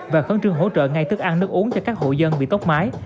và khấn trương hỗ trợ ngay thức ăn nước uống cho các hộ dân bị tốc mái